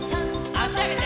あしあげて。